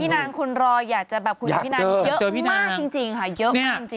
นางคนรออยากจะแบบคุยกับพี่นางเยอะมากจริงค่ะเยอะมากจริง